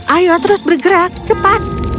ayo terus bergerak cepat